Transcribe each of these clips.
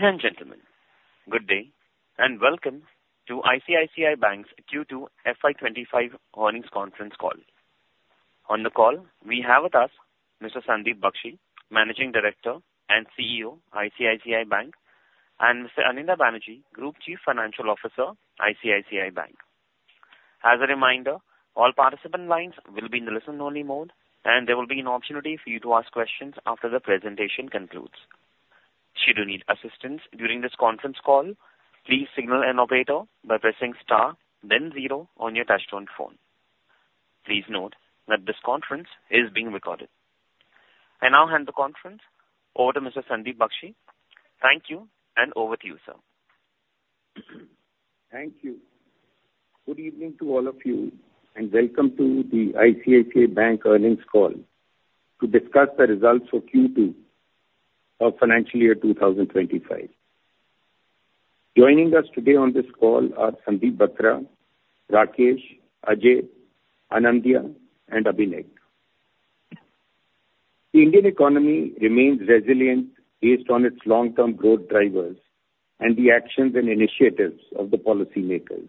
Ladies and gentlemen, good day, and welcome to ICICI Bank's Q2 FY 2025 Earnings Conference Call. On the call, we have with us Mr. Sandeep Bakhshi, Managing Director and CEO, ICICI Bank, and Mr. Anindya Banerjee, Group Chief Financial Officer, ICICI Bank. As a reminder, all participant lines will be in the listen-only mode, and there will be an opportunity for you to ask questions after the presentation concludes. Should you need assistance during this conference call, please signal an operator by pressing star, then zero on your touchtone phone. Please note that this conference is being recorded. I now hand the conference over to Mr. Sandeep Bakhshi. Thank you, and over to you, sir. Thank you. Good evening to all of you, and welcome to the ICICI Bank Earnings Call to discuss the results for Q2 of financial year 2025. Joining us today on this call are Sandeep Bakhshi, Rakesh, Ajay, Anindya, and Abhinek. The Indian economy remains resilient based on its long-term growth drivers and the actions and initiatives of the policymakers.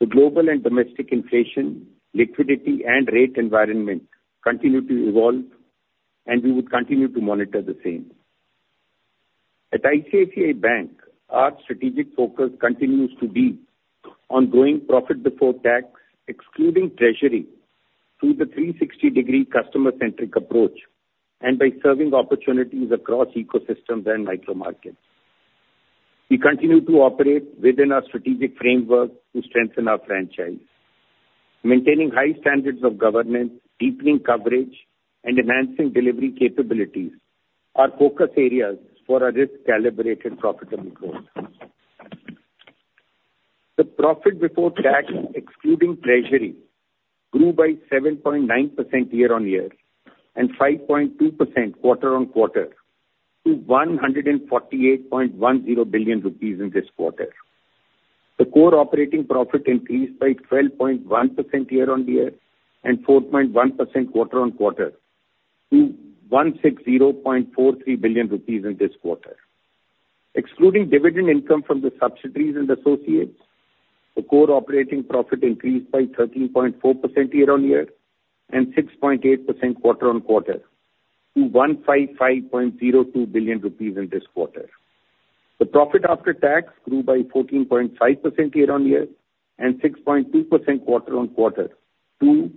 The global and domestic inflation, liquidity, and rate environment continue to evolve, and we would continue to monitor the same. At ICICI Bank, our strategic focus continues to be on growing profit before tax, excluding treasury, through the 360-degree customer-centric approach and by serving opportunities across ecosystems and micromarkets. We continue to operate within our strategic framework to strengthen our franchise. Maintaining high standards of governance, deepening coverage, and enhancing delivery capabilities are focus areas for our risk-calibrated profitable growth. The profit before tax, excluding treasury, grew by 7.9% year-on-year and 5.2% quarter-on-quarter to 148.1 billion rupees in this quarter. The core operating profit increased by 12.1% year-on-year and 4.1% quarter-on-quarter to 160.43 billion rupees in this quarter. Excluding dividend income from the subsidiaries and associates, the core operating profit increased by 13.4% year-on-year and 6.8% quarter-on-quarter to 155.02 billion rupees in this quarter. The profit after tax grew by 14.5% year-on-year and 6.2% quarter-on-quarter to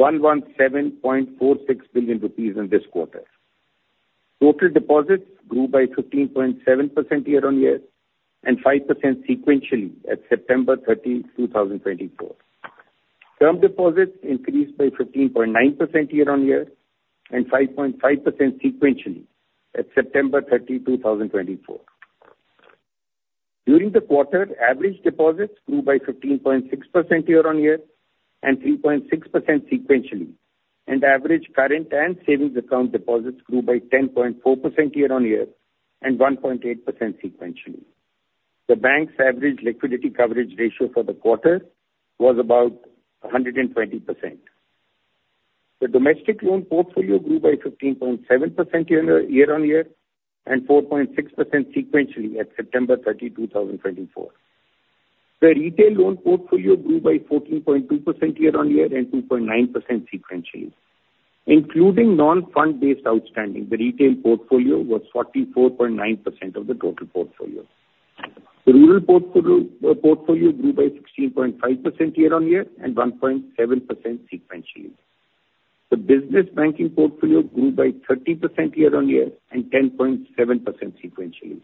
117.46 billion rupees in this quarter. Total deposits grew by 15.7% year-on-year and 5% sequentially at September 30, 2024. Term deposits increased by 15.9% year-on-year and 5.5% sequentially at September 30, 2024. During the quarter, average deposits grew by 15.6% year-on-year and 3.6% sequentially, and average current and savings account deposits grew by 10.4% year-on-year and 1.8% sequentially. The bank's average liquidity coverage ratio for the quarter was about 120%. The domestic loan portfolio grew by 15.7% year-on-year and 4.6% sequentially at September 30, 2024. The retail loan portfolio grew by 14.2% year-on-year and 2.9% sequentially. Including non-fund based outstanding, the retail portfolio was 44.9% of the total portfolio. The rural portfolio grew by 16.5% year-on-year and 1.7% sequentially. The business banking portfolio grew by 13% year-on-year and 10.7% sequentially.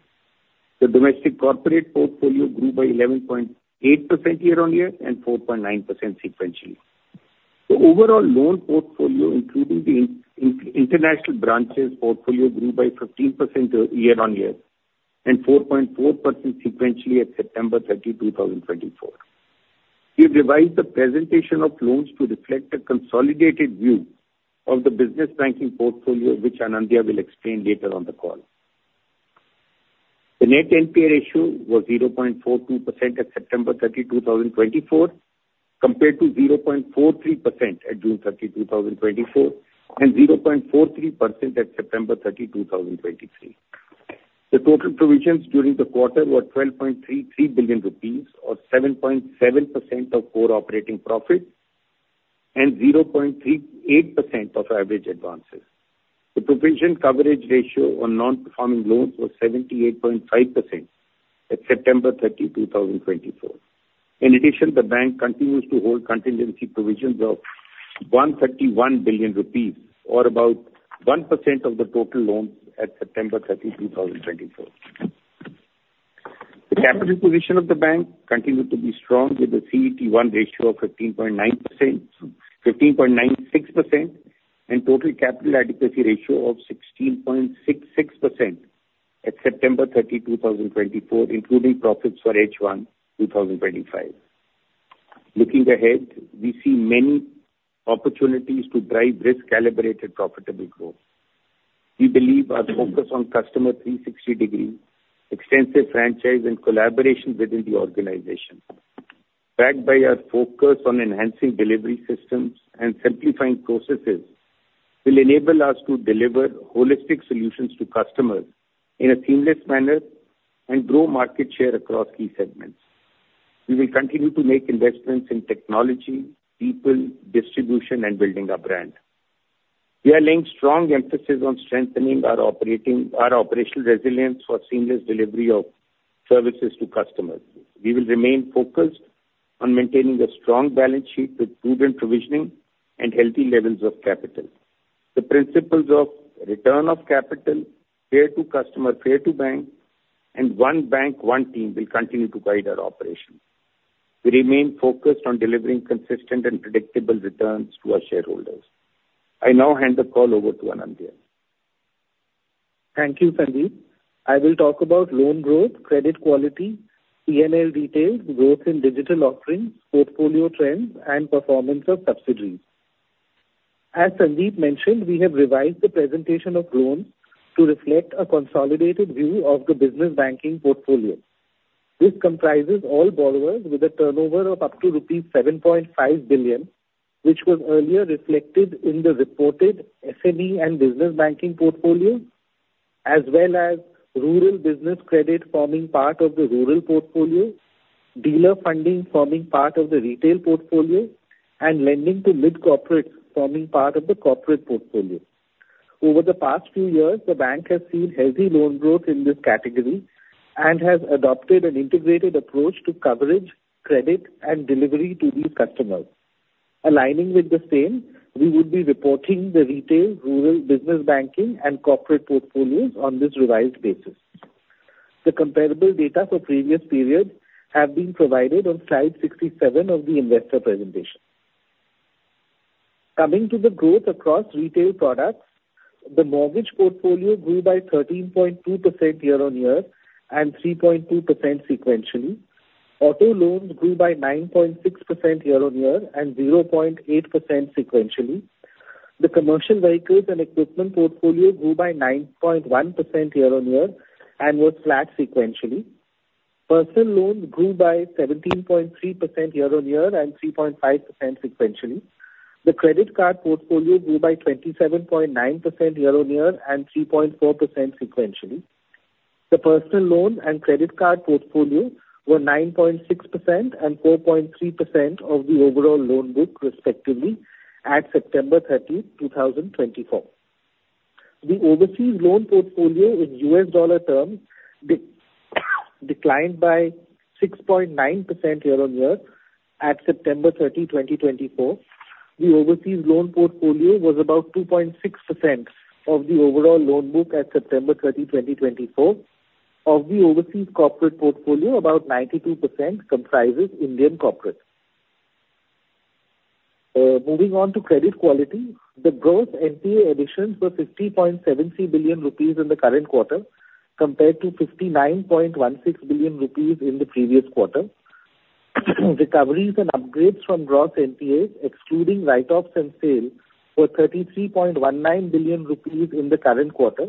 The domestic corporate portfolio grew by 11.8% year-on-year and 4.9% sequentially. The overall loan portfolio, including the international branches portfolio, grew by 15% year-on-year and 4.4% sequentially at September 30, 2024. We've revised the presentation of loans to reflect a consolidated view of the business banking portfolio, which Anindya will explain later on the call. The net NPA ratio was 0.42% at September 30, 2024, compared to 0.43% at June 30, 2024, and 0.43% at September 30, 2023. The total provisions during the quarter were 12.33 billion rupees, or 7.7% of core operating profit and 0.38% of average advances. The provision coverage ratio on non-performing loans was 78.5% at September 30, 2024. In addition, the bank continues to hold contingency provisions of 131 billion rupees, or about 1% of the total loans at September 30, 2024. The capital position of the bank continued to be strong, with a CET1 ratio of 15.9%, 15.96% and total capital adequacy ratio of 16.66% at September 30, 2024, including profits for H1 2025. Looking ahead, we see many opportunities to drive risk-calibrated, profitable growth. We believe our focus on customer 360-degree, extensive franchise and collaboration within the organization backed by our focus on enhancing delivery systems and simplifying processes, will enable us to deliver holistic solutions to customers in a seamless manner and grow market share across key segments. We will continue to make investments in technology, people, distribution, and building our brand. We are laying strong emphasis on strengthening our operational resilience for seamless delivery of services to customers. We will remain focused on maintaining a strong balance sheet with prudent provisioning and healthy levels of capital. The principles of return of capital, Fair to Customer, Fair to Bank, and One Bank, One Team, will continue to guide our operation. We remain focused on delivering consistent and predictable returns to our shareholders. I now hand the call over to Anindya. Thank you, Sandeep. I will talk about loan growth, credit quality, P&L details, growth in digital offerings, portfolio trends, and performance of subsidiaries. As Sandeep mentioned, we have revised the presentation of loans to reflect a consolidated view of the business banking portfolio. This comprises all borrowers with a turnover of up to rupees 7.5 billion, which was earlier reflected in the reported SME and business banking portfolio, as well as rural business credit forming part of the rural portfolio, dealer funding forming part of the retail portfolio, and lending to mid-corporate forming part of the corporate portfolio. Over the past few years, the bank has seen healthy loan growth in this category and has adopted an integrated approach to coverage, credit, and delivery to these customers. Aligning with the same, we would be reporting the retail, rural business banking, and corporate portfolios on this revised basis. The comparable data for previous periods have been provided on slide 67 of the investor presentation. Coming to the growth across retail products, the mortgage portfolio grew by 13.2% year-on-year and 3.2% sequentially. Auto loans grew by 9.6% year-on-year and 0.8% sequentially. The commercial vehicles and equipment portfolio grew by 9.1% year-on-year and was flat sequentially. Personal loans grew by 17.3% year-on-year and 3.5% sequentially. The credit card portfolio grew by 27.9% year-on-year and 3.4% sequentially. The personal loan and credit card portfolio were 9.6% and 4.3% of the overall loan book, respectively, at September 30, 2024. The overseas loan portfolio in U.S. dollar terms declined by 6.9% year-on-year at September 30, 2024. The overseas loan portfolio was about 2.6% of the overall loan book at September 30, 2024. Of the overseas corporate portfolio, about 92% comprises Indian corporate. Moving on to credit quality. The gross NPA additions were 50.73 billion rupees in the current quarter, compared to 59.16 billion rupees in the previous quarter. Recoveries and upgrades from gross NPAs, excluding write-offs and sales, were 33.19 billion rupees in the current quarter,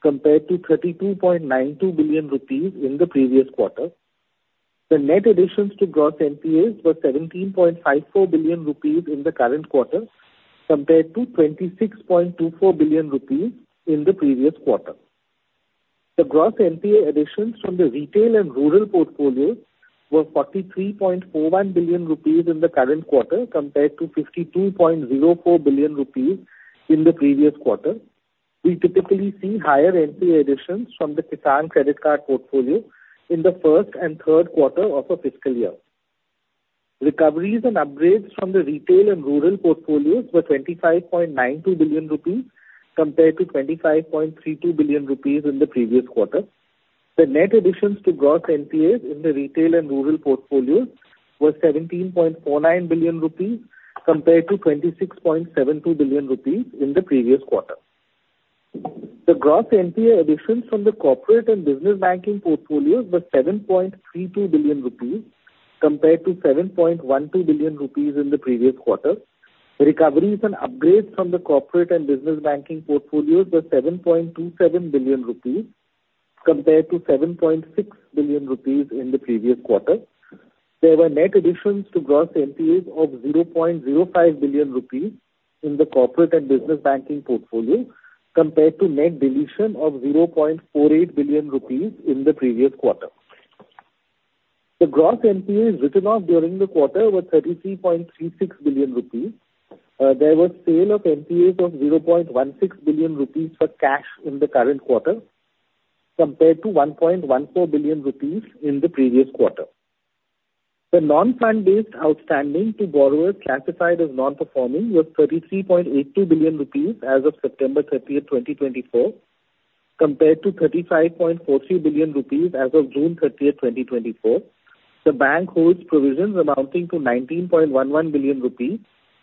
compared to 32.92 billion rupees in the previous quarter. The net additions to gross NPAs were 17.54 billion rupees in the current quarter, compared to 26.24 billion rupees in the previous quarter. The gross NPA additions from the retail and rural portfolios were 43.41 billion rupees in the current quarter, compared to 52.04 billion rupees in the previous quarter. We typically see higher NPA additions from the Kisan Credit Card portfolio in the first and third quarter of a fiscal year. Recoveries and upgrades from the retail and rural portfolios were 25.92 billion rupees, compared to 25.32 billion rupees in the previous quarter. The net additions to gross NPAs in the retail and rural portfolios were 17.49 billion rupees, compared to 26.72 billion rupees in the previous quarter. The gross NPA additions from the corporate and business banking portfolios were 7.32 billion rupees, compared to 7.12 billion rupees in the previous quarter. Recoveries and upgrades from the corporate and business banking portfolios were 7.27 billion rupees, compared to 7.6 billion rupees in the previous quarter. There were net additions to gross NPAs of 0.05 billion rupees in the corporate and business banking portfolio, compared to net deletion of 0.48 billion rupees in the previous quarter. The gross NPAs written off during the quarter were 33.36 billion rupees. There was sale of NPAs of 0.16 billion rupees for cash in the current quarter, compared to 1.14 billion rupees in the previous quarter. The non-fund-based outstanding to borrowers classified as non-performing was 33.82 billion rupees as of September 30, 2024, compared to 35.43 billion rupees as of June 30, 2024. The bank holds provisions amounting to 19.11 billion rupees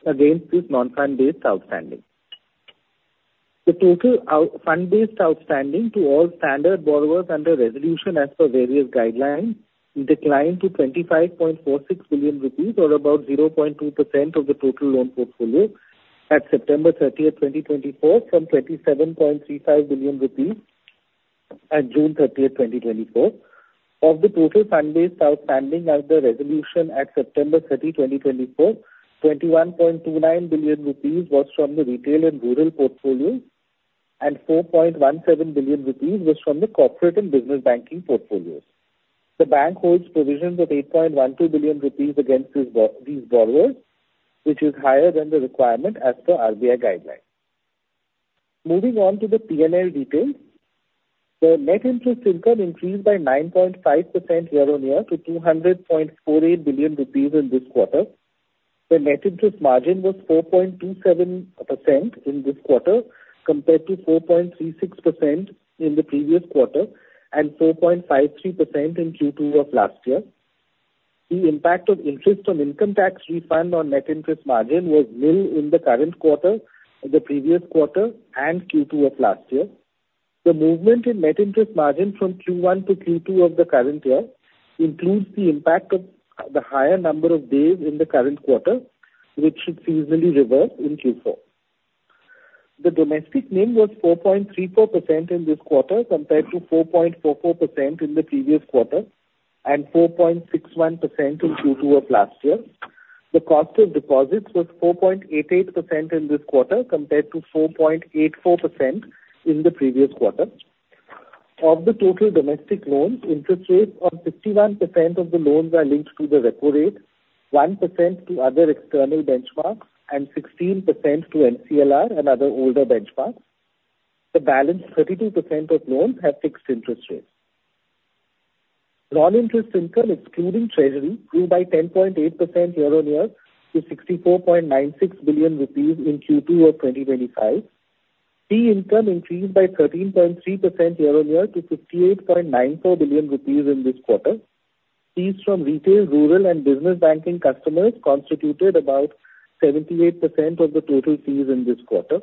against this non-fund-based outstanding. The total fund-based outstanding to all standard borrowers under resolution as per various guidelines declined to 25.46 billion rupees, or about 0.2% of the total loan portfolio at September 30, 2024, from 37.35 billion rupees at June 30, 2024. Of the total fund-based outstanding under resolution at September 30, 2024, 21.29 billion rupees was from the retail and rural portfolio, and 4.17 billion rupees was from the corporate and business banking portfolios. The bank holds provisions of 8.12 billion rupees against these borrowers, which is higher than the requirement as per RBI guidelines. Moving on to the P&L details. The net interest income increased by 9.5% year-on-year to 200.48 billion rupees in this quarter. The net interest margin was 4.27% in this quarter, compared to 4.36% in the previous quarter and 4.53% in Q2 of last year. The impact of interest on income tax refund on net interest margin was nil in the current quarter, in the previous quarter and Q2 of last year. The movement in net interest margin from Q1 to Q2 of the current year includes the impact of the higher number of days in the current quarter, which should seasonally reverse in Q4. The domestic NIM was 4.34% in this quarter, compared to 4.44% in the previous quarter and 4.61% in Q2 of last year. The cost of deposits was 4.88% in this quarter, compared to 4.84% in the previous quarter. Of the total domestic loans, interest rates on 51% of the loans are linked to the repo rate, 1% to other external benchmarks, and 16% to MCLR and other older benchmarks. The balance 32% of loans have fixed interest rates. Non-interest income, excluding treasury, grew by 10.8% year-on-year to 64.96 billion rupees in Q2 of 2025. Fee income increased by 13.3% year-on-year to 58.94 billion rupees in this quarter. Fees from retail, rural and business banking customers constituted about 78% of the total fees in this quarter.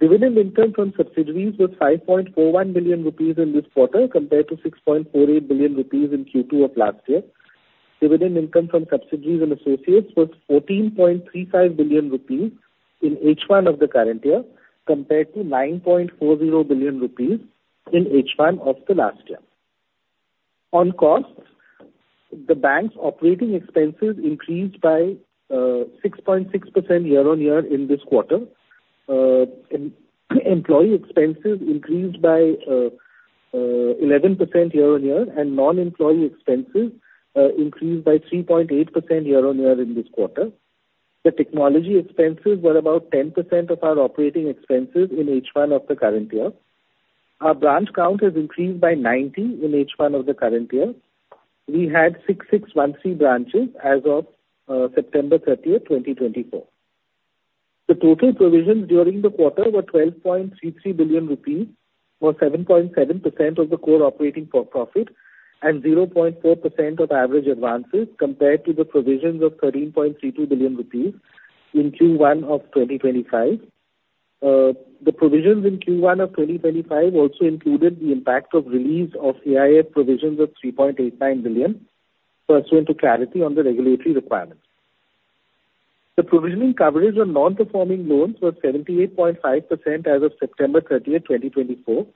Dividend income from subsidiaries was 5.41 billion rupees in this quarter, compared to 6.48 billion rupees in Q2 of last year. Dividend income from subsidiaries and associates was 14.35 billion rupees in H1 of the current year, compared to 9.40 billion rupees in H1 of the last year. On costs, the bank's operating expenses increased by 6.6% year-on-year in this quarter. Employee expenses increased by 11% year-on-year, and non-employee expenses increased by 3.8% year-on-year in this quarter. The technology expenses were about 10% of our operating expenses in H1 of the current year. Our branch count has increased by 90 in H1 of the current year. We had 6,613 branches as of September 30, 2024. The total provisions during the quarter were 12.33 billion rupees, or 7.7% of the core operating profit, and 0.4% of average advances, compared to the provisions of 13.32 billion rupees in Q1 of 2025. The provisions in Q1 of 2025 also included the impact of release of AIF provisions of 3.89 billion, pursuant to clarity on the regulatory requirements. The provisioning coverage on non-performing loans was 78.5% as of September 30, 2024.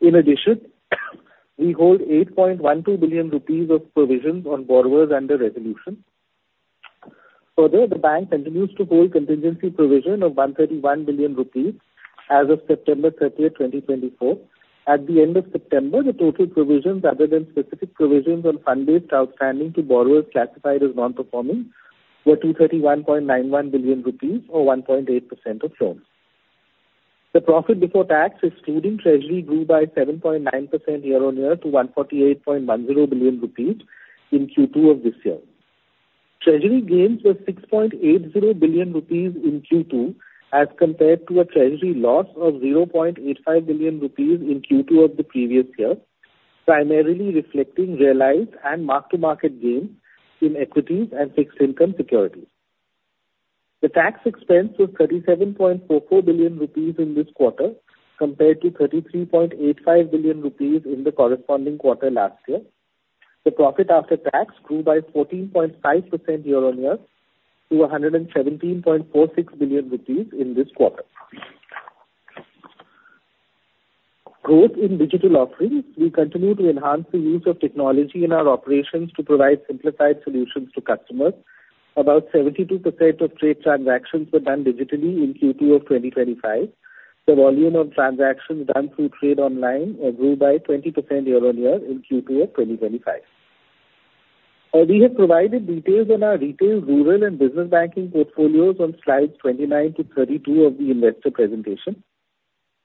In addition, we hold 8.12 billion rupees of provisions on borrowers under resolution. Further, the bank continues to hold contingency provision of 131 billion rupees as of September 30, 2024. At the end of September, the total provisions, other than specific provisions on fund-based outstanding to borrowers classified as non-performing, were 231.91 billion rupees, or 1.8% of loans. The profit before tax, excluding treasury, grew by 7.9% year-on-year to 148.10 billion rupees in Q2 of this year. Treasury gains were 6.80 billion rupees in Q2, as compared to a treasury loss of 0.85 billion rupees in Q2 of the previous year, primarily reflecting realized and mark-to-market gains in equities and fixed income securities. The tax expense was 37.44 billion rupees in this quarter, compared to 33.85 billion rupees in the corresponding quarter last year. The profit after tax grew by 14.5% year-on-year to INR 117.46 billion in this quarter. Growth in digital offerings. We continue to enhance the use of technology in our operations to provide simplified solutions to customers. About 72% of trade transactions were done digitally in Q2 of 2025. The volume of transactions done through Trade Online grew by 20% year-on-year in Q2 of 2025. We have provided details on our retail, rural, and business banking portfolios on slides 29 to 32 of the investor presentation.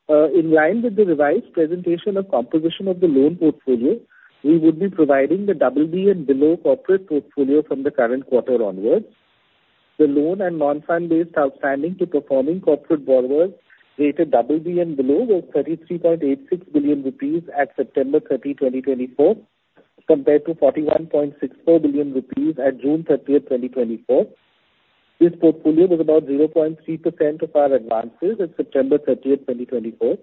In line with the revised presentation of composition of the loan portfolio, we would be providing the BB and below corporate portfolio from the current quarter onwards. The loan and non-fund-based outstanding to performing corporate borrowers rated BB and below were 33.86 billion rupees at September 30, 2024, compared to 41.64 billion rupees at June 30, 2024. This portfolio was about 0.3% of our advances at September 30, 2024.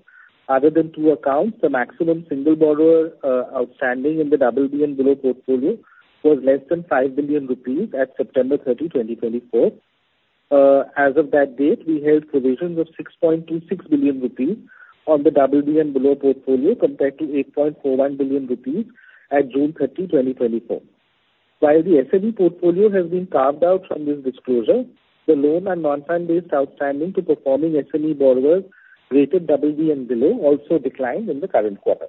Other than two accounts, the maximum single borrower outstanding in the BB and below portfolio was less than 5 billion rupees at September 30, 2024. As of that date, we held provisions of 6.26 billion rupees on the BB and below portfolio, compared to 8.41 billion rupees at June 30, 2024. While the SME portfolio has been carved out from this disclosure, the loan and non-fund-based outstanding to performing SME borrowers rated BB and below also declined in the current quarter.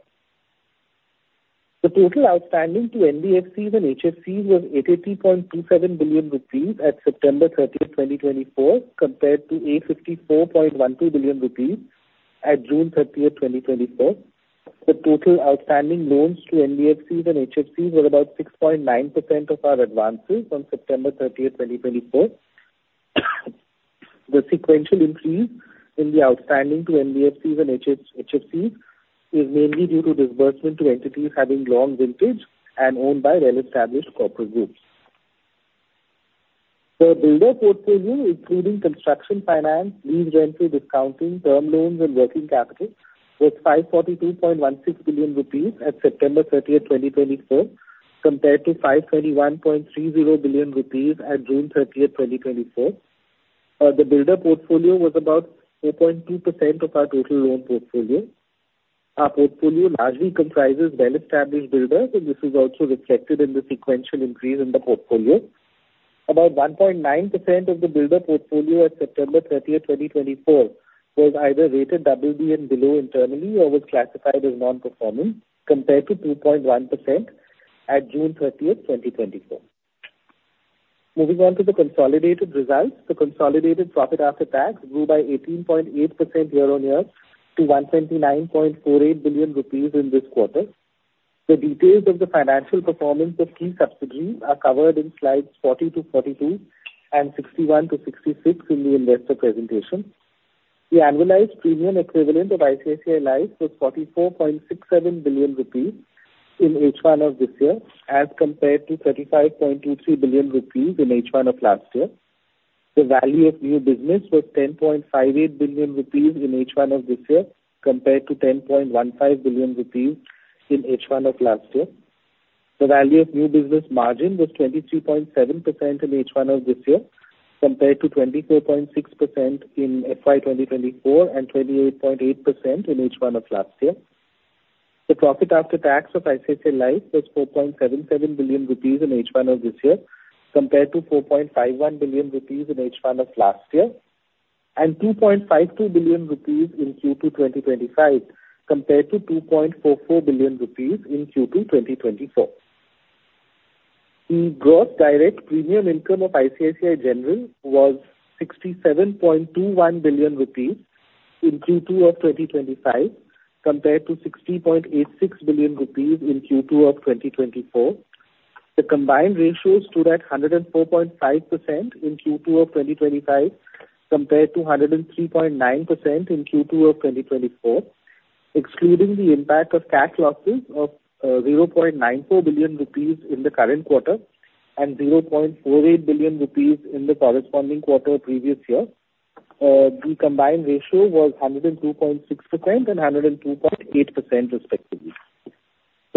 The total outstanding to NBFCs and HFCs was 880.27 billion rupees at September 30, 2024, compared to 854.12 billion rupees at June 30, 2024. The total outstanding loans to NBFCs and HFCs were about 6.9% of our advances on September 30, 2024. The sequential increase in the outstanding to NBFCs and HFCs is mainly due to disbursement to entities having long vintage and owned by well-established corporate groups. The builder portfolio, including construction finance, lease rental discounting, term loans, and working capital, was 542.16 billion rupees at September 30, 2024, compared to 531.30 billion rupees at June 30, 2024. The builder portfolio was about 4.2% of our total loan portfolio. Our portfolio largely comprises well-established builders, and this is also reflected in the sequential increase in the portfolio. About 1.9% of the builder portfolio at September 30th, 2024, was either rated BB and below internally or was classified as non-performing, compared to 2.1% at June 30th, 2024. Moving on to the consolidated results. The consolidated profit after tax grew by 18.8% year-on-year to 129.48 billion rupees in this quarter. The details of the financial performance of key subsidiaries are covered in slides 40-42 and 61-66 in the investor presentation. The annualized premium equivalent of ICICI Life was 44.67 billion rupees in H1 of this year, as compared to 35.23 billion rupees in H1 of last year. The value of new business was 10.58 billion rupees in H1 of this year, compared to 10.15 billion rupees in H1 of last year. The value of new business margin was 22.7% in H1 of this year, compared to 24.6% in FY 2024 and 28.8% in H1 of last year. The profit after tax of ICICI Life was 4.77 billion rupees in H1 of this year, compared to 4.51 billion rupees in H1 of last year, and 2.52 billion rupees in Q2 2025, compared to 2.44 billion rupees in Q2 2024. The gross direct premium income of ICICI General was 67.21 billion rupees in Q2 of 2025, compared to 60.86 billion rupees in Q2 of 2024. The combined ratio stood at 104.5% in Q2 of 2025, compared to 103.9% in Q2 of 2024. Excluding the impact of cat losses of 0.94 billion rupees in the current quarter and 0.48 billion rupees in the corresponding quarter previous year, the combined ratio was 102.6% and 102.8% respectively.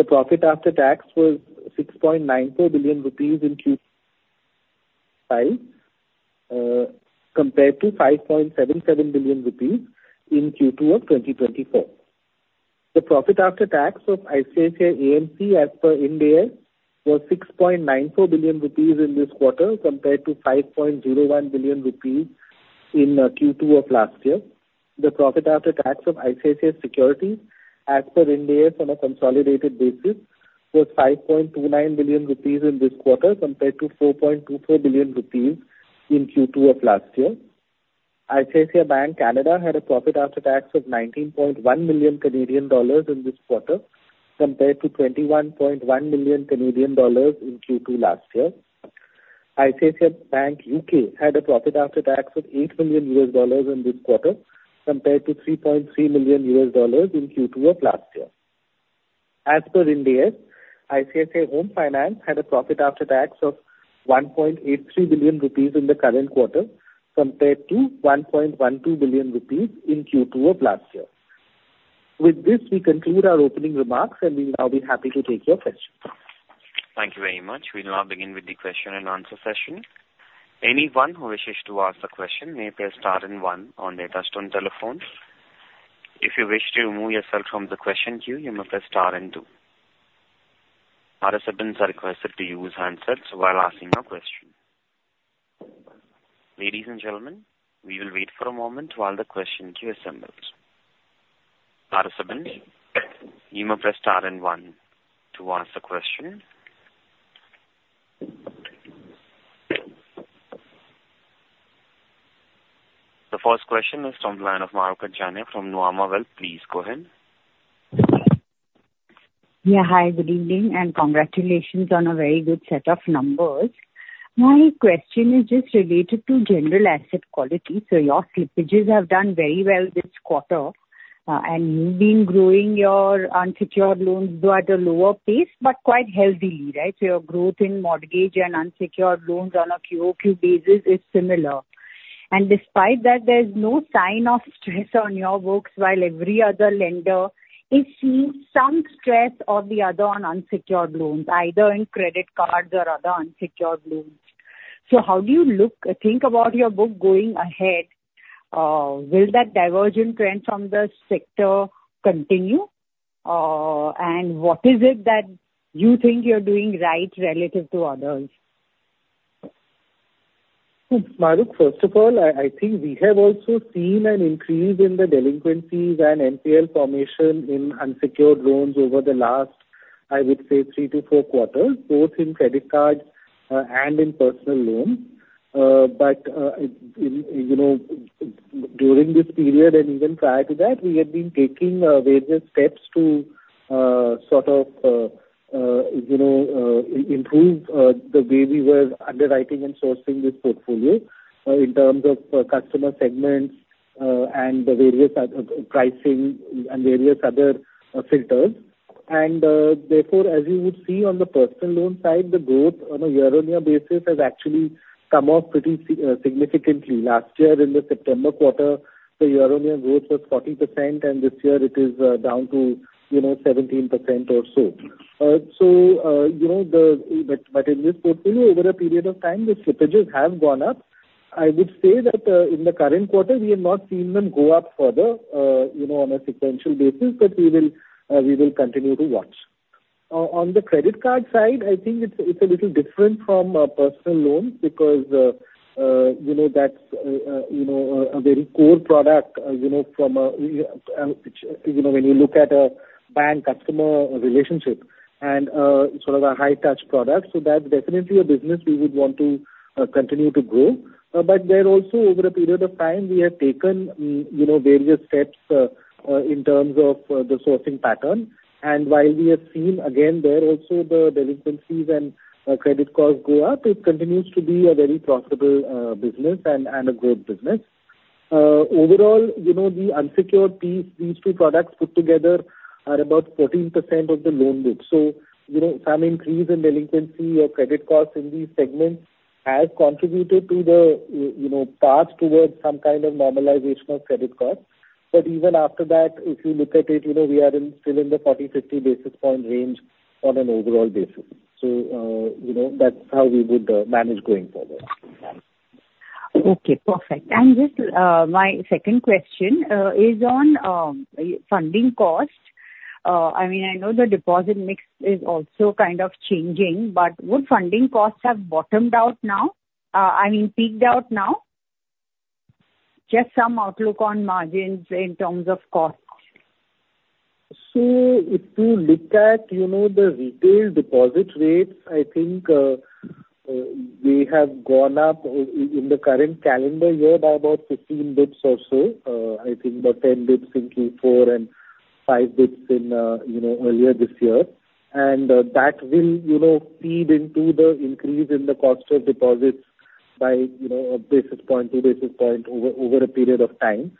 The profit after tax was 6.94 billion rupees in Q2, compared to 5.77 billion rupees in Q2 of 2024. The profit after tax of ICICI AMC, as per Ind AS, was 6.94 billion rupees in this quarter, compared to 5.01 billion rupees in Q2 of last year. The profit after tax of ICICI Securities, as per Ind AS on a consolidated basis, was 5.29 billion rupees in this quarter, compared to 4.24 billion rupees in Q2 of last year. ICICI Bank Canada had a profit after tax of 19.1 million Canadian dollars in this quarter, compared to 21.1 million Canadian dollars in Q2 last year. ICICI Bank U.K. had a profit after tax of $8 million in this quarter, compared to $3.3 million in Q2 of last year. As per Ind AS, ICICI Home Finance had a profit after tax of 1.83 billion rupees in the current quarter, compared to 1.12 billion rupees in Q2 of last year. With this, we conclude our opening remarks, and we will now be happy to take your questions. Thank you very much. We now begin with the question and answer session. Anyone who wishes to ask a question may press star and one on their touch-tone telephones. If you wish to remove yourself from the question queue, you may press star and two. Participants are requested to use handsets while asking a question. Ladies and gentlemen, we will wait for a moment while the question queue assembles. Participants, you may press star and one to ask a question. The first question is from the line of Mahrukh Adajania from Nuvama. Please go ahead. Yeah. Hi, good evening, and congratulations on a very good set of numbers. My question is just related to general asset quality. So your slippages have done very well this quarter, and you've been growing your unsecured loans though at a lower pace, but quite healthily, right? So your growth in mortgage and unsecured loans on a QoQ basis is similar. And despite that, there's no sign of stress on your books, while every other lender is seeing some stress or the other on unsecured loans, either in credit cards or other unsecured loans. So how do you look or think about your book going ahead? Will that divergent trend from the sector continue? And what is it that you think you're doing right relative to others? Mahrukh, first of all, I think we have also seen an increase in the delinquencies and NPL formation in unsecured loans over the last, I would say, three to four quarters, both in credit cards and in personal loans. But, you know, during this period and even prior to that, we have been taking various steps to sort of, you know, improve the way we were underwriting and sourcing this portfolio, in terms of customer segments and the various other pricing and various other filters. Therefore, as you would see on the personal loan side, the growth on a year-on-year basis has actually come off pretty significantly. Last year in the September quarter, the year-on-year growth was 40%, and this year it is down to, you know, 17% or so. So, you know, but in this portfolio, over a period of time, the slippages have gone up. I would say that in the current quarter, we have not seen them go up further, you know, on a sequential basis, but we will continue to watch. On the credit card side, I think it's a little different from personal loans because you know, that's a very core product, you know, from a which, you know, when you look at a bank customer relationship and sort of a high touch product. So that's definitely a business we would want to continue to grow. But there also, over a period of time, we have taken, you know, various steps in terms of the sourcing pattern. And while we have seen again there also the delinquencies and credit costs go up, it continues to be a very profitable business and a growth business. Overall, you know, the unsecured piece, these two products put together are about 14% of the loan book. So, you know, some increase in delinquency or credit costs in these segments has contributed to the, you know, path towards some kind of normalization of credit costs. But even after that, if you look at it, you know, we are still in the 40-50 basis point range on an overall basis. So, you know, that's how we would manage going forward. Okay, perfect. And just, my second question, is on, funding costs. I mean, I know the deposit mix is also kind of changing, but would funding costs have bottomed out now? I mean, peaked out now. Just some outlook on margins in terms of costs. If you look at, you know, the retail deposit rates, I think they have gone up in the current calendar year by about 15 basis points or so. I think about 10 basis points in Q4 and five basis points in earlier this year. That will, you know, feed into the increase in the cost of deposits by, you know, a basis point, two basis points over a period of time.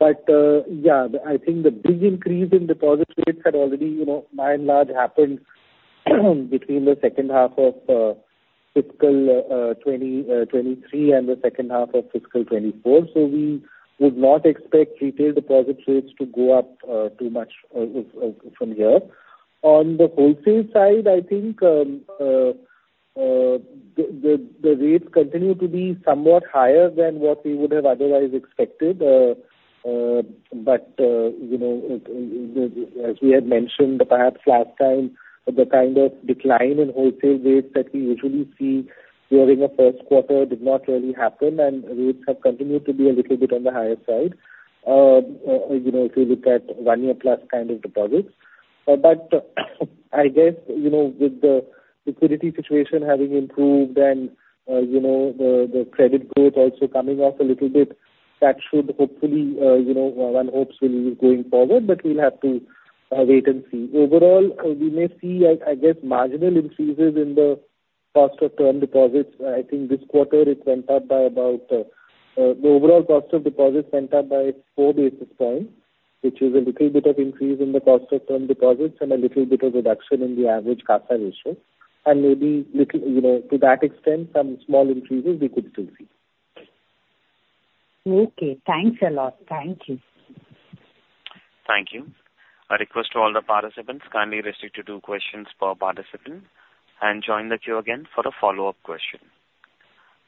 Yeah, I think the big increase in deposit rates had already, you know, by and large, happened between the second half of fiscal 2023 and the second half of fiscal 2024. We would not expect retail deposit rates to go up too much from here. On the wholesale side, I think, the rates continue to be somewhat higher than what we would have otherwise expected, but you know, as we had mentioned perhaps last time, the kind of decline in wholesale rates that we usually see during a first quarter did not really happen, and rates have continued to be a little bit on the higher side. You know, if you look at one-year plus kind of deposits, but I guess, you know, with the liquidity situation having improved and the credit growth also coming off a little bit, that should hopefully, you know, one hopes will be going forward, but we'll have to wait and see. Overall, we may see, I guess, marginal increases in the cost of term deposits. I think this quarter it went up by about. The overall cost of deposits went up by four basis points, which is a little bit of increase in the cost of term deposits and a little bit of reduction in the average CASA ratio, and maybe little, you know, to that extent, some small increases we could still see. Okay, thanks a lot. Thank you. Thank you. I request all the participants, kindly restrict to two questions per participant, and join the queue again for a follow-up question.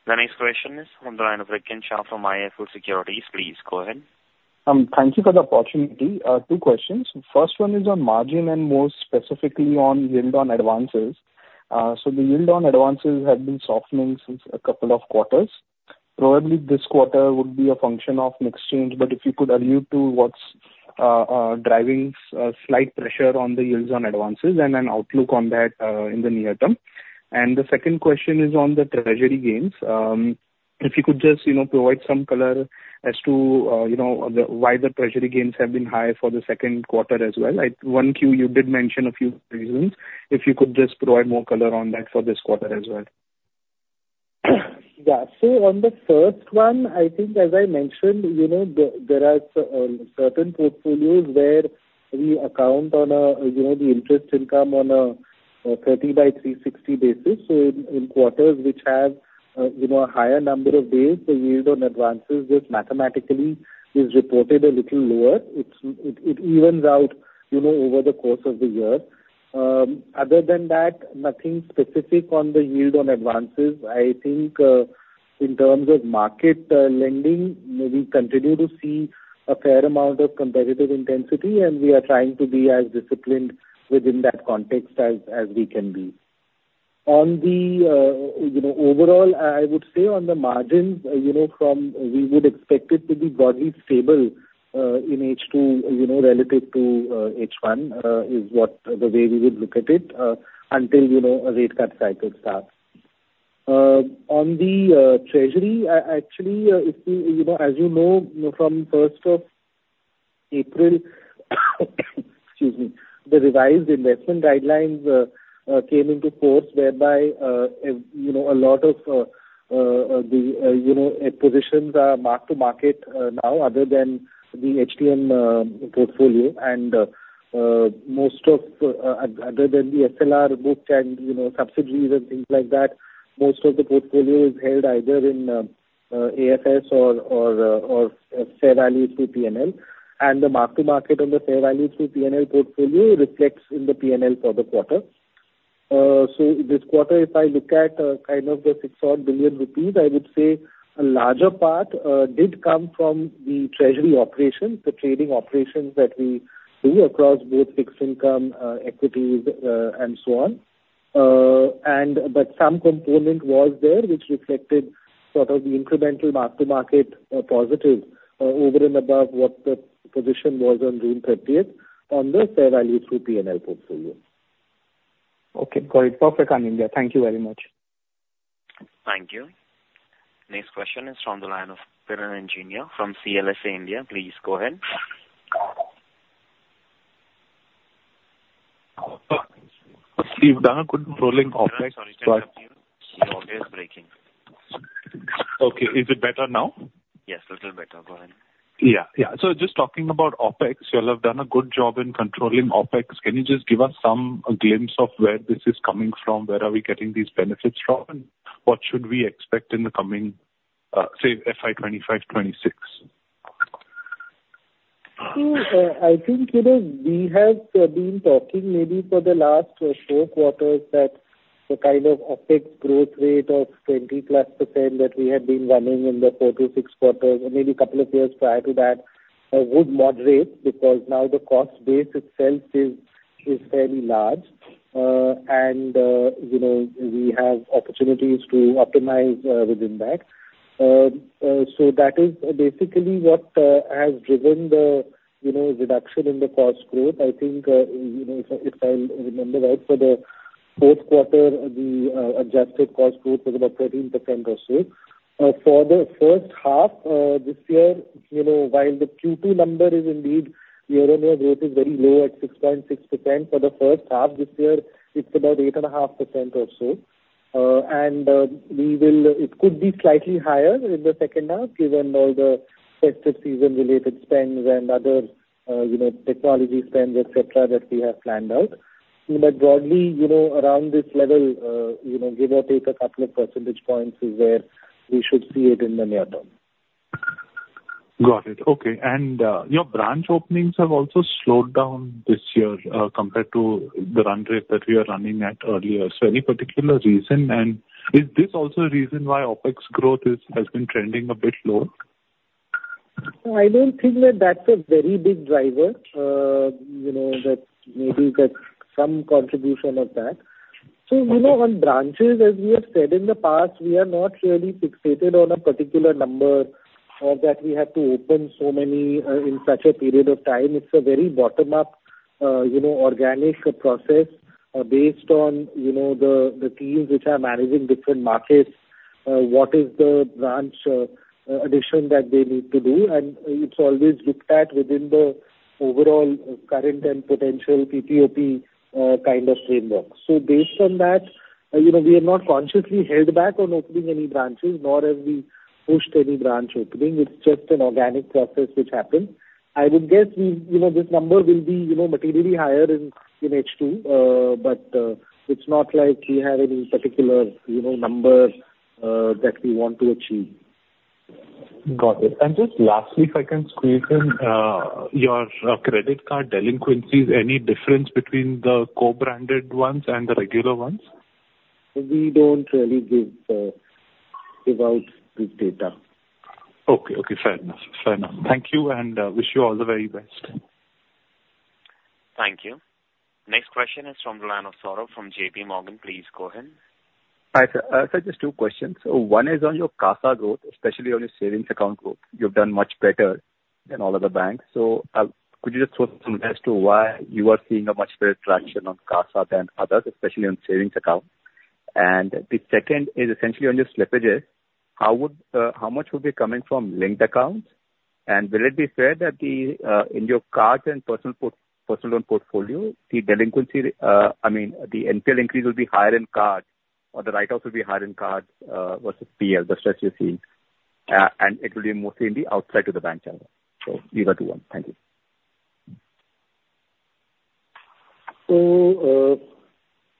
The next question is from line of Rikin Shah of IIFL Securities. Please go ahead. Thank you for the opportunity. Two questions. First one is on margin, and more specifically on yield on advances. So the yield on advances had been softening since a couple of quarters. Probably, this quarter would be a function of mix change, but if you could allude to what's driving slight pressure on the yields on advances and an outlook on that, in the near term. And the second question is on the treasury gains. If you could just, you know, provide some color as to, you know, why the treasury gains have been high for the second quarter as well. One Q you did mention a few reasons. If you could just provide more color on that for this quarter as well. Yeah. So on the first one, I think as I mentioned, you know, there are certain portfolios where we account on a, you know, the interest income on a 30/360 basis. So in quarters which have, you know, a higher number of days, the yield on advances just mathematically is reported a little lower. It evens out, you know, over the course of the year. Other than that, nothing specific on the yield on advances. I think in terms of market lending, we continue to see a fair amount of competitive intensity, and we are trying to be as disciplined within that context as we can be. On the, you know, overall, I would say on the margins, you know, we would expect it to be broadly stable in H2, you know, relative to H1, is what the way we would look at it until, you know, a rate cut cycle starts. On the treasury, actually, it, you know, as you know, from first of April, excuse me, the revised investment guidelines came into force, whereby, you know, a lot of the, you know, positions are mark-to-market now other than the HTM portfolio. Most of, other than the SLR book and, you know, subsidiaries and things like that, most of the portfolio is held either in AFS or fair value through P&L. The mark-to-market on the fair value through P&L portfolio reflects in the P&L for the quarter. So this quarter, if I look at kind of the six odd billion rupees, I would say a larger part did come from the treasury operations, the trading operations that we do across both fixed income, equities, and so on. But some component was there, which reflected sort of the incremental mark-to-market positive over and above what the position was on June thirtieth on the fair value through P&L portfolio. Okay, got it. Perfect, Anindya. Thank you very much. Thank you. Next question is from the line of Piran Engineer from CLSA India. Please go ahead. You've done a good rolling OpEx but. Sorry to interrupt you. Your line is breaking. Okay, is it better now? Yes, little better. Go ahead. Yeah, yeah. So just talking about OpEx, you all have done a good job in controlling OpEx. Can you just give us some glimpse of where this is coming from, where are we getting these benefits from? And what should we expect in the coming, say, FY 2025, 2026? So, I think, you know, we have been talking maybe for the last four quarters that the kind of OpEx growth rate of 20+% that we have been running in the four to six quarters, and maybe couple of years prior to that, would moderate, because now the cost base itself is fairly large. And, you know, we have opportunities to optimize within that. So that is basically what has driven the, you know, reduction in the cost growth. I think, you know, if I remember right, for the fourth quarter, the adjusted cost growth was about 13% or so. For the first half this year, you know, while the Q2 number is indeed year-on-year growth is very low at 6.6%. For the first half this year, it's about 8.5% or so. It could be slightly higher in the second half, given all the festive season related spends and other, you know, technology spends, et cetera, that we have planned out. But broadly, you know, around this level, you know, give or take a couple of percentage points is where we should see it in the near term. Got it. Okay. And, your branch openings have also slowed down this year, compared to the run rate that we are running at earlier. So any particular reason? And is this also a reason why OpEx growth is, has been trending a bit lower? I don't think that that's a very big driver. You know, that maybe get some contribution of that. So, you know, on branches, as we have said in the past, we are not really fixated on a particular number or that we have to open so many in such a period of time. It's a very bottom-up, you know, organic process, based on, you know, the teams which are managing different markets, what is the branch addition that they need to do? And it's always looked at within the overall current and potential PPOP kind of framework. So based on that, you know, we have not consciously held back on opening any branches, nor have we pushed any branch opening. It's just an organic process which happens. I would guess we, you know, this number will be, you know, materially higher in H2, but it's not like we have any particular, you know, numbers that we want to achieve. Got it. And just lastly, if I can squeeze in, your credit card delinquencies, any difference between the co-branded ones and the regular ones? We don't really give out this data. Okay, okay, fair enough. Fair enough. Thank you, and wish you all the very best. Thank you. Next question is from the line of Saurabh from JPMorgan. Please go ahead. Hi, sir. Sir, just two questions. One is on your CASA growth, especially on your savings account growth. You've done much better than all other banks. So, could you just talk some as to why you are seeing a much better traction on CASA than others, especially on savings account? And the second is essentially on your slippages. How much would be coming from linked accounts? And will it be fair that the, in your cards and personal loan portfolio, the delinquency, I mean, the NPA increase will be higher in cards, or the write-offs will be higher in cards, versus PL, the stress you're seeing? And it will be mostly in the outside of the bank channel. So these are the ones. Thank you. So,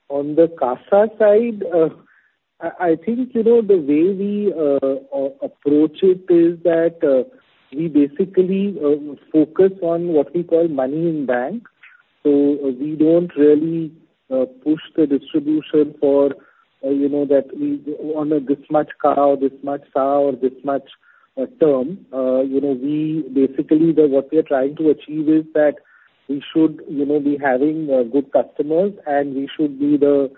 on the CASA side, I think, you know, the way we approach it is that we basically focus on what we call money in bank. So we don't really push the distribution for, you know, that we on this much CA, or this much SA, or this much term. You know, we basically, what we are trying to achieve is that we should, you know, be having good customers, and we should be the,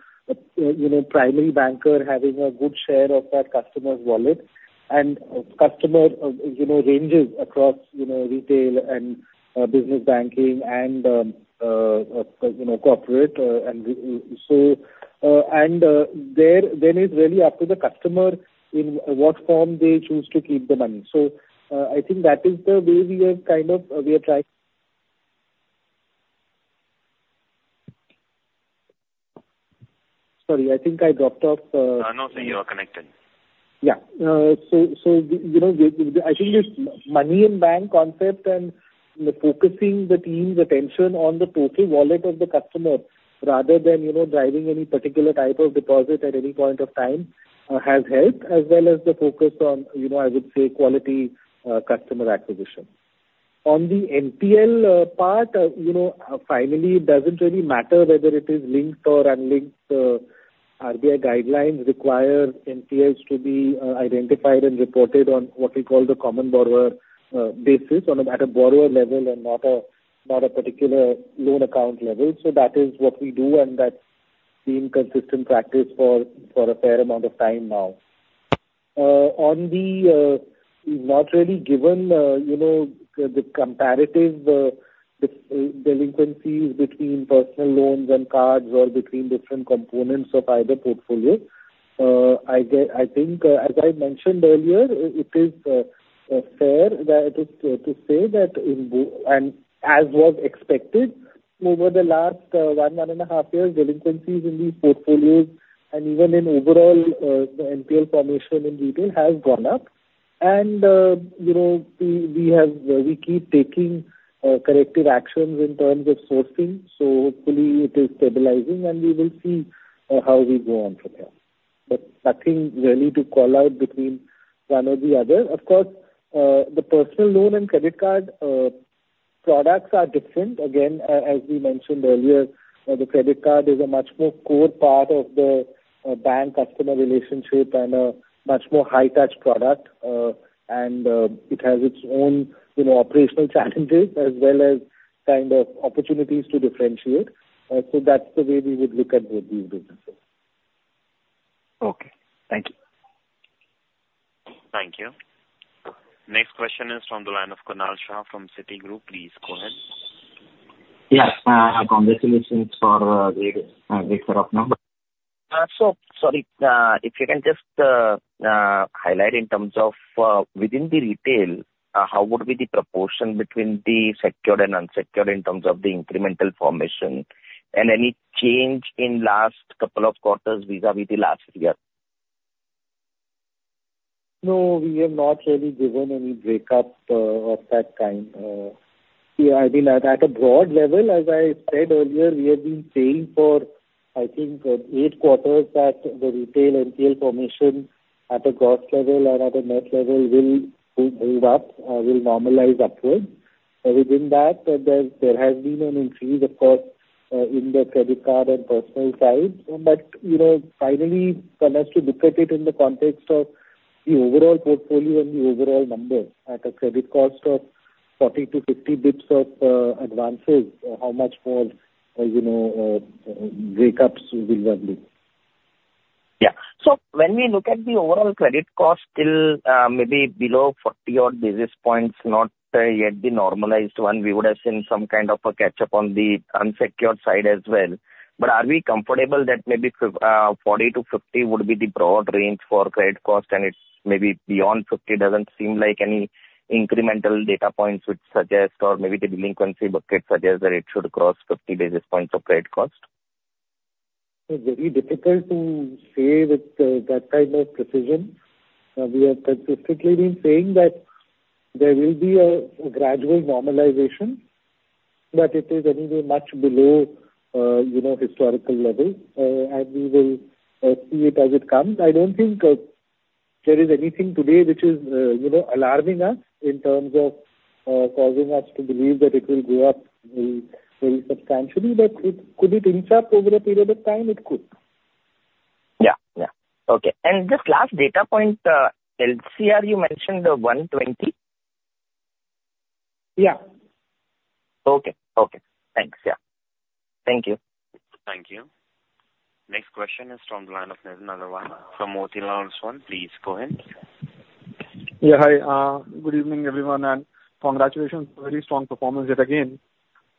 you know, primary banker having a good share of that customer's wallet. And customer, you know, ranges across, you know, retail and business banking and, you know, corporate. And so, then it's really up to the customer in what form they choose to keep the money. I think that is the way we are kind of trying. Sorry, I think I dropped off. No, sir, you are connected. Yeah. So, you know, I think this money in bank concept and focusing the team's attention on the total wallet of the customer, rather than, you know, driving any particular type of deposit at any point of time has helped as well as the focus on, you know, I would say, quality customer acquisition. On the NPL part, you know, finally, it doesn't really matter whether it is linked or unlinked. RBI guidelines require NPLs to be identified and reported on what we call the common borrower basis, on a at a borrower level and not a particular loan account level. So that is what we do, and that's been consistent practice for a fair amount of time now. Not really given, you know, the comparative delinquencies between personal loans and cards or between different components of either portfolio, I think, as I mentioned earlier, it is fair to say that in both, and as was expected over the last one and a half years, delinquencies in these portfolios and even in overall the NPL formation in retail has gone up, and you know, we keep taking corrective actions in terms of sourcing, so hopefully it is stabilizing, and we will see how we go on from there, but nothing really to call out between one or the other. Of course, the personal loan and credit card products are different. Again, as we mentioned earlier, the credit card is a much more core part of the bank-customer relationship and a much more high touch product, and it has its own, you know, operational challenges as well as kind of opportunities to differentiate. So that's the way we would look at these businesses. Okay. Thank you. Thank you. Next question is from the line of Kunal Shah from Citigroup. Please go ahead. Yes, congratulations for the set up number. So sorry, if you can just highlight in terms of within the retail, how would be the proportion between the secured and unsecured in terms of the incremental formation, and any change in last couple of quarters vis-a-vis the last year? No, we have not really given any breakup of that kind. Yeah, I mean, at a broad level, as I said earlier, we have been saying for, I think, eight quarters, that the retail NPL formation at a gross level and at a net level will move up, will normalize upward. Within that, there has been an increase, of course, in the credit card and personal side, but, you know, finally, one has to look at it in the context of the overall portfolio and the overall number at a credit cost of 40-50 basis points of advances, how much more, you know, breakups will there be? Yeah. So when we look at the overall credit cost still, maybe below forty odd basis points, not yet the normalized one, we would have seen some kind of a catch-up on the unsecured side as well. But are we comfortable that maybe forty to fifty would be the broad range for credit cost, and it's maybe beyond fifty doesn't seem like any incremental data points which suggest or maybe the delinquency bucket suggests that it should cross fifty basis points of credit cost? It's very difficult to say with that kind of precision. We have consistently been saying that there will be a gradual normalization, but it is anyway much below, you know, historical level, and we will see it as it comes. I don't think there is anything today which is, you know, alarming us in terms of causing us to believe that it will go up very, very substantially, but it could inch up over a period of time? It could. Yeah, yeah. Okay. And just last data point, LCR, you mentioned the 120? Yeah. Okay. Okay. Thanks. Yeah. Thank you. Thank you. Next question is from the line of Nitin Aggarwal from Motilal Oswal. Please go ahead. Yeah, hi. Good evening, everyone, and congratulations. Very strong performance yet again.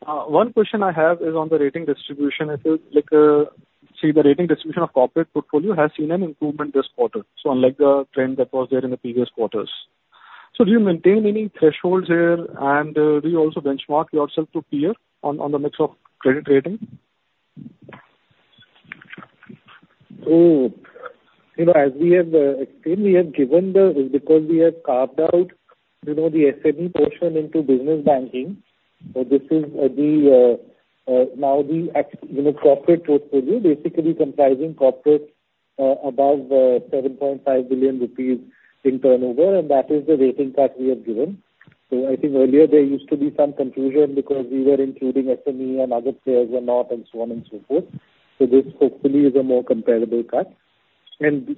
One question I have is on the rating distribution. It is like, see the rating distribution of corporate portfolio has seen an improvement this quarter, so unlike the trend that was there in the previous quarters. So do you maintain any thresholds here? And, do you also benchmark yourself to peer on the mix of credit rating? So, you know, as we have, I think we have given the, because we have carved out, you know, the SME portion into business banking, so this is the, now the, you know, corporate portfolio, basically comprising corporate, above, 7.5 billion rupees in turnover, and that is the rating cut we have given. So I think earlier there used to be some confusion because we were including SME and other players were not, and so on and so forth. So this hopefully is a more comparable cut. And,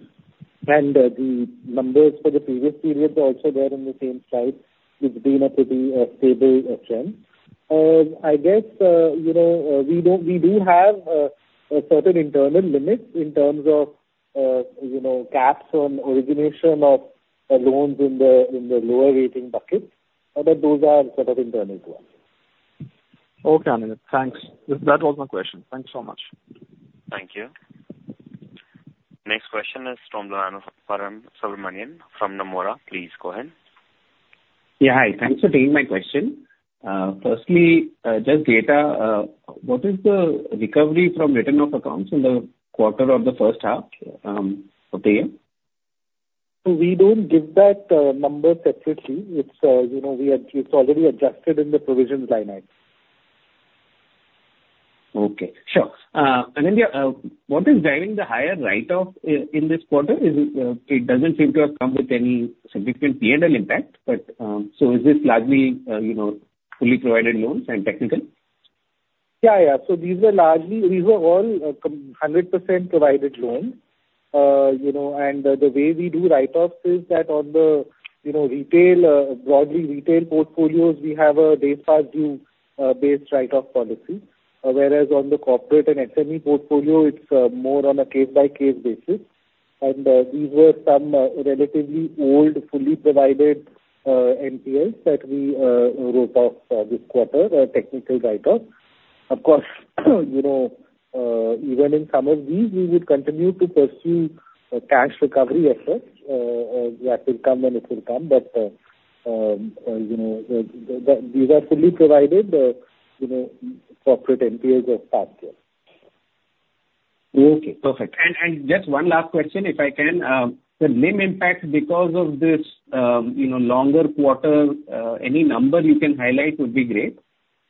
the numbers for the previous period are also there in the same slide. It's been a pretty stable trend. I guess, you know, we don't- we do have a certain internal limits in terms of, you know, caps on origination of loans in the lower rating bucket, but those are set up internally as well. Okay, Anindya. Thanks. That was my question. Thanks so much. Thank you. Next question is from the line of Param Subramanian from Nomura. Please go ahead. Yeah, hi. Thanks for taking my question. Firstly, just data, what is the recovery from written off accounts in the quarter or the first half of the year? So we don't give that number separately. It's, you know, it's already adjusted in the provisions line item. Okay, sure. Anindya, what is driving the higher write-off in this quarter? Is it, it doesn't seem to have come with any significant P&L impact, but, so is this largely, you know, fully provided loans and technical? Yeah, yeah. So these were largely, these were all, hundred percent provided loans. You know, and the way we do write-offs is that on the, you know, retail, broadly retail portfolios, we have a days past due based write-off policy. Whereas on the corporate and SME portfolio, it's more on a case-by-case basis. And these were some relatively old, fully provided NPLs that we wrote off this quarter, a technical write-off. Of course, you know, even in some of these, we would continue to pursue a cash recovery effort. That will come when it will come, but you know, these are fully provided, you know, corporate NPLs of last year. Okay, perfect. And just one last question, if I can. The NIM impact because of this, you know, longer quarter, any number you can highlight would be great.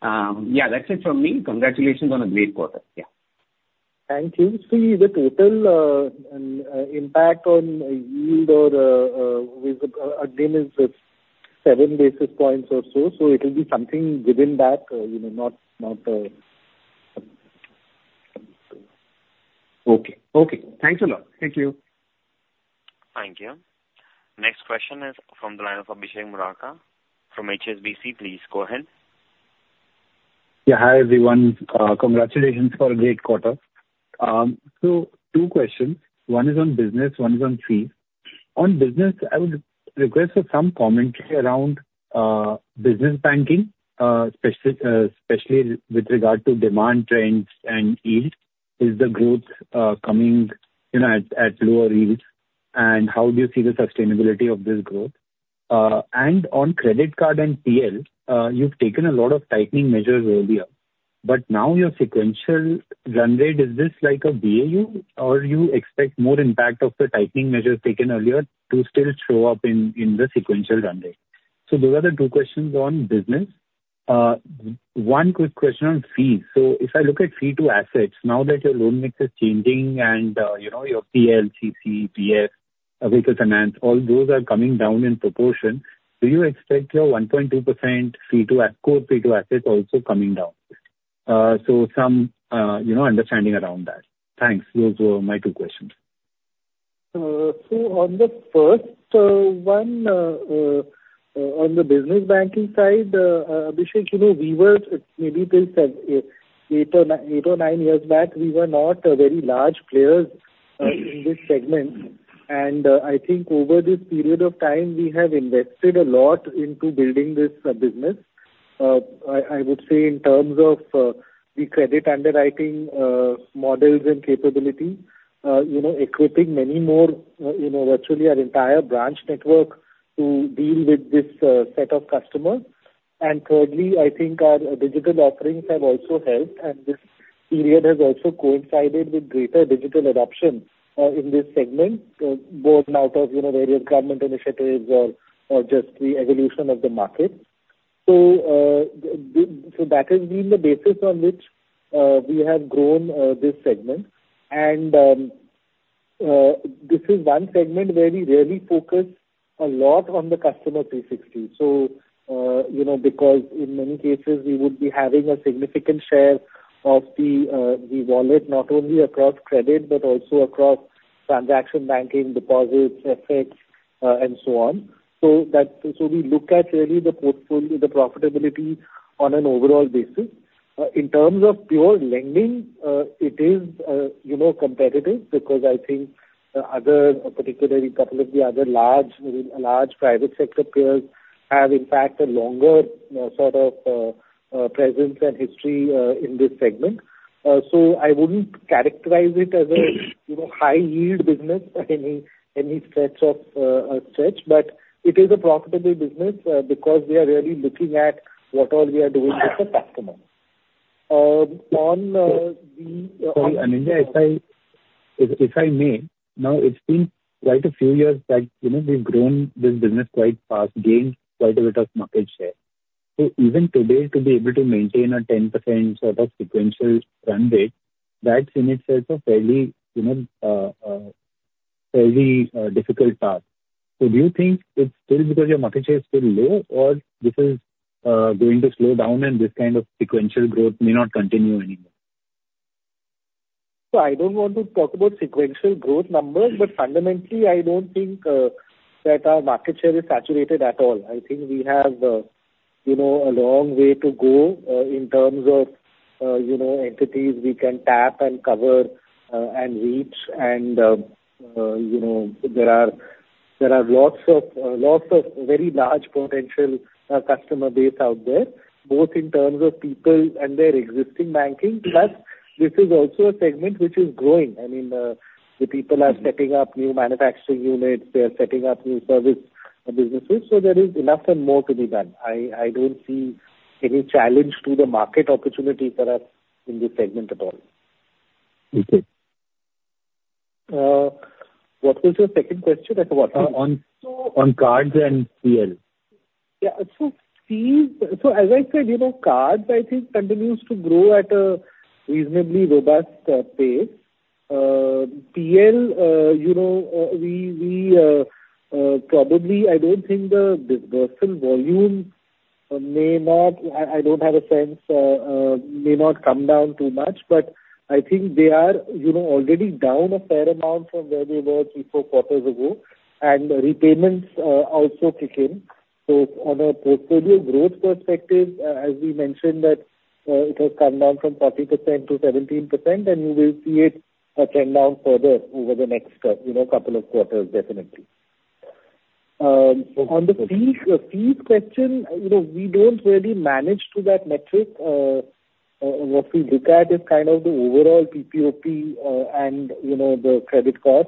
Yeah, that's it from me. Congratulations on a great quarter. Yeah. Thank you. So the total impact on yield or with again is seven basis points or so, so it'll be something within that, you know, not. Okay. Okay, thanks a lot. Thank you. Thank you. Next question is from the line of Abhishek Murarka from HSBC. Please go ahead. Yeah, hi, everyone. Congratulations for a great quarter, so two questions. One is on business, one is on fees. On business, I would request for some commentary around business banking, especially with regard to demand trends and yield. Is the growth coming, you know, at lower yields? And how do you see the sustainability of this growth, and on credit card and PL, you've taken a lot of tightening measures earlier, but now your sequential run rate. Is this like a BAU, or you expect more impact of the tightening measures taken earlier to still show up in the sequential run rate, so those are the two questions on business. One quick question on fees. So if I look at fee-to-assets, now that your loan mix is changing and, you know, your PL, CC, BF, vehicle finance, all those are coming down in proportion, do you expect your 1.2% fee-to-core fee-to-assets also coming down? So some, you know, understanding around that. Thanks. Those were my two questions. So on the first one on the business banking side, Abhishek, you know, we were maybe till seven eight or nine years back, we were not a very large players in this segment. I think over this period of time, we have invested a lot into building this business. I would say in terms of the credit underwriting models and capability, you know, equipping many more, you know, virtually our entire branch network to deal with this set of customers. Thirdly, I think our digital offerings have also helped, and this period has also coincided with greater digital adoption in this segment, both out of, you know, various government initiatives or just the evolution of the market. So, that has been the basis on which we have grown this segment. And, this is one segment where we really focus a lot on the customer 360. So, you know, because in many cases we would be having a significant share of the wallet, not only across credit, but also across transaction banking, deposits, FX, and so on. So we look at really the portfolio, the profitability on an overall basis. In terms of pure lending, it is, you know, competitive because I think the other, particularly couple of the other large private sector players, have in fact a longer sort of presence and history in this segment. So I wouldn't characterize it as a, you know, high-yield business by any stretch, but it is a profitable business because we are really looking at what all we are doing with the customer. On the- Sorry, Anindya, if I may, now it's been quite a few years that, you know, we've grown this business quite fast, gained quite a bit of market share. So even today, to be able to maintain a 10% sort of sequential run rate, that in itself is a fairly, you know, fairly difficult task. So do you think it's still because your market share is still low, or this is going to slow down and this kind of sequential growth may not continue anymore? So I don't want to talk about sequential growth numbers, but fundamentally, I don't think that our market share is saturated at all. I think we have, you know, a long way to go, in terms of, you know, entities we can tap and cover, and reach. And, you know, there are lots of very large potential customer base out there, both in terms of people and their existing banking. Plus, this is also a segment which is growing. I mean, the people are setting up new manufacturing units, they are setting up new service businesses, so there is enough and more to be done. I don't see any challenge to the market opportunity that are in this segment at all. Okay. What was your second question, about? On cards and PL. Yeah. So fees, so as I said, you know, cards, I think, continues to grow at a reasonably robust pace. PL, you know, we probably I don't think the disbursal volume may not come down too much. I don't have a sense, may not come down too much, but I think they are, you know, already down a fair amount from where they were three, four quarters ago, and repayments also kick in. So on a portfolio growth perspective, as we mentioned, that it has come down from 40% to 17%, and you will see it trend down further over the next, you know, couple of quarters, definitely. On the fees, the fees question, you know, we don't really manage to that metric. What we look at is kind of the overall PPOP, and, you know, the credit card.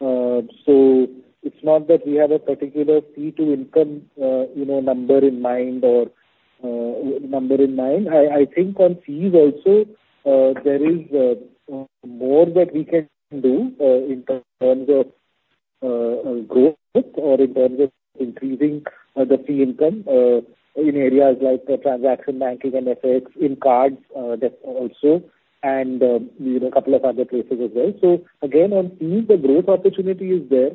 So it's not that we have a particular fee-to-income, you know, number in mind. I think on fees also, there is more that we can do, in terms of growth or in terms of increasing the fee income, in areas like transaction banking and FX in cards, that also, and, you know, a couple of other places as well. So again, on fees, the growth opportunity is there.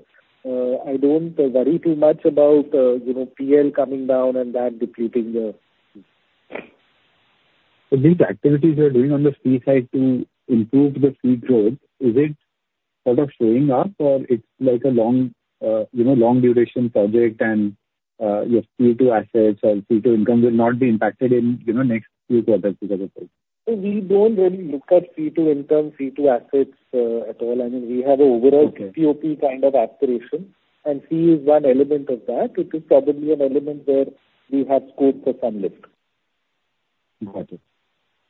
I don't worry too much about, you know, PL coming down and that depleting the. So these activities you're doing on the fee side to improve the fee growth, is it sort of showing up, or it's like a long, you know, long duration project and, your fee-to-assets or fee-to-income will not be impacted in, you know, next few quarters because of this? So we don't really look at fee-to-income, fee-to-assets, at all. I mean, we have an overall PPOP kind of aspiration, and fee is one element of that. It is probably an element where we have scope for some lift. Got it.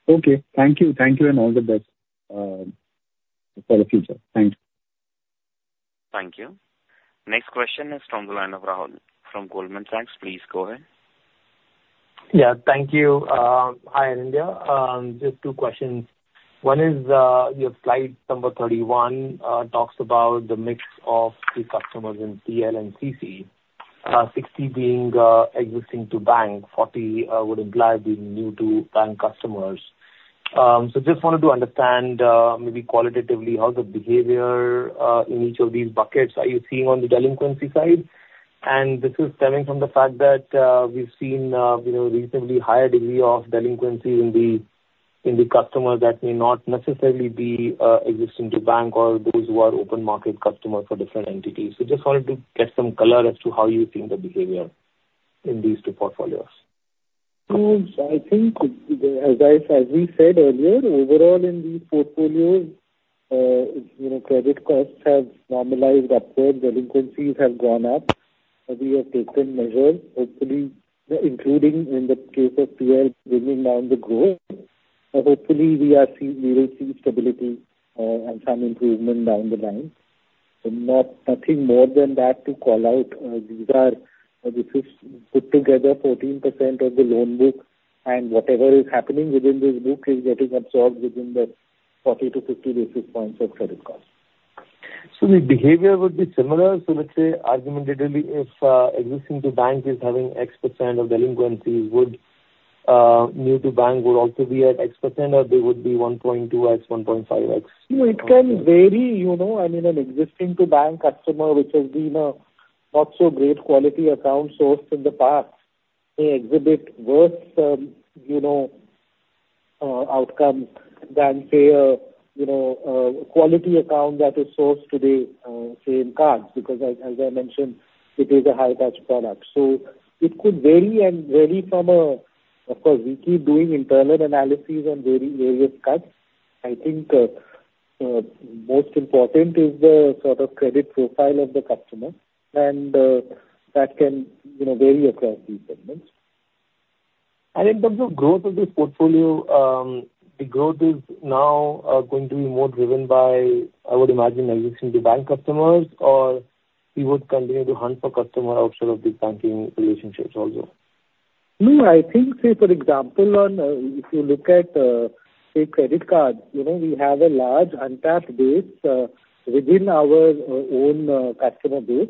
Okay. Thank you. Thank you, and all the best, for the future. Thank you. Thank you. Next question is from the line of Rahul from Goldman Sachs. Please go ahead. Yeah, thank you. Hi, Anindya. Just two questions. One is, your slide number 31 talks about the mix of the customers in PL and CC. 60 being existing-to-bank, 40 would imply being new-to-bank customers. So just wanted to understand, maybe qualitatively, how the behavior in each of these buckets are you seeing on the delinquency side? And this is stemming from the fact that, we've seen, you know, recently higher degree of delinquency in the, in the customer that may not necessarily be existing-to-bank or those who are open market customers for different entities. So just wanted to get some color as to how you think the behavior in these two portfolios. I think, as we said earlier, overall in these portfolios, you know, credit costs have normalized upward, delinquencies have gone up, and we have taken measures, hopefully, including in the case of PL, bringing down the growth. Hopefully we will see stability, and some improvement down the line. Not nothing more than that to call out. These are, this is put together 14% of the loan book, and whatever is happening within this book is getting absorbed within the 40-50 basis points of credit cost. So the behavior would be similar. So let's say argumentatively, if existing-to-bank is having X% of delinquency, would new-to-bank also be at X%, or they would be 1.2X, 1.5X? No, it can vary, you know. I mean, an existing ICICI Bank customer, which has been a not so great quality account sourced in the past, may exhibit worse, you know, outcomes than say a, you know, quality account that is sourced today, say in cards, because as I mentioned, it is a high touch product. So it could vary and vary from. Of course, we keep doing internal analysis on various cuts. I think, most important is the sort of credit profile of the customer, and that can, you know, vary across these segments. In terms of growth of this portfolio, the growth is now going to be more driven by, I would imagine, existing bank customers. We would continue to hunt for customer outside of the banking relationships also? No, I think, say, for example, on, if you look at, say, credit card, you know, we have a large untapped base within our own customer base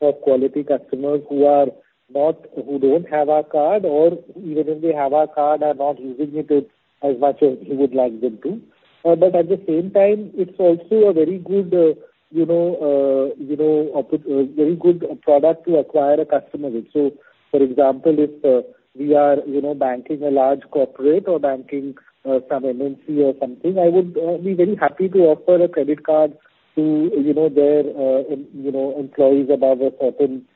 of quality customers who are not who don't have our card, or even if they have our card, are not using it as much as we would like them to. But at the same time, it's also a very good, you know, you know, very good product to acquire a customer base. So for example, if we are, you know, banking a large corporate or banking some MNC or something, I would be very happy to offer a credit card to, you know, their, you know, employees above a certain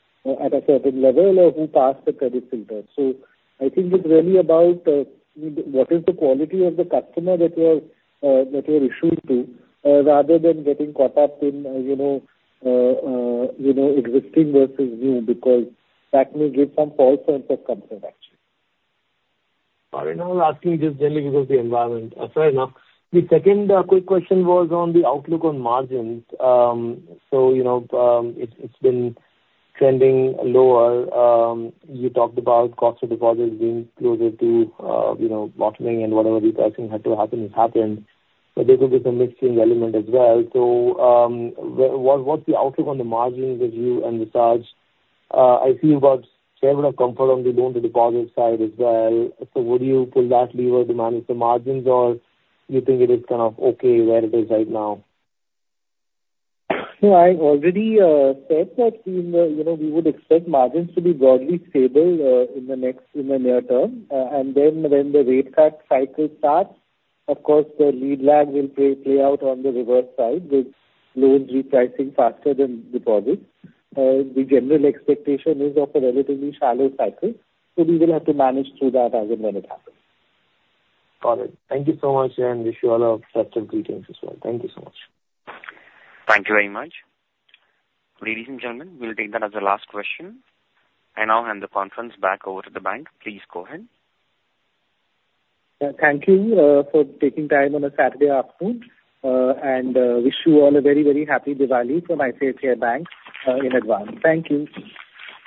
at a certain level or who pass the credit filter. So I think it's really about what is the quality of the customer that we are issued to rather than getting caught up in, you know, existing versus new, because that may give some false sense of comfort, actually. All right. Now I'm asking just generally because the environment, fair enough. The second quick question was on the outlook on margins, so you know, it's been trending lower. You talked about cost of deposits being closer to, you know, bottoming and whatever repricing had to happen has happened, but there will be some mixing element as well. So, what's the outlook on the margins as you envisage? I feel about level of comfort on the loan-to-deposit side as well. So would you pull that lever to manage the margins, or you think it is kind of okay where it is right now? So I already said that, you know, we would expect margins to be broadly stable in the near term. And then when the rate cut cycle starts, of course, the lead lag will play out on the reverse side, with loans repricing faster than deposits. The general expectation is of a relatively shallow cycle, so we will have to manage through that as and when it happens. Got it. Thank you so much, and wish you all a festive greetings as well. Thank you so much. Thank you very much. Ladies and gentlemen, we'll take that as the last question. I now hand the conference back over to the bank. Please go ahead. Thank you for taking time on a Saturday afternoon, and wish you all a very, very happy Diwali from ICICI Bank in advance. Thank you.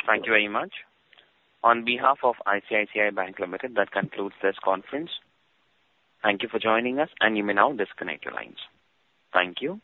Thank you very much. On behalf of ICICI Bank Limited, that concludes this conference. Thank you for joining us, and you may now disconnect your lines. Thank you.